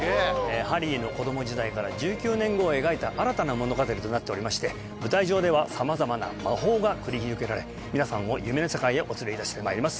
ハリーの子供時代から１９年後を描いた新たな物語となっておりまして舞台上では様々な魔法が繰り広げられ皆さんを夢の世界へお連れいたしてまいります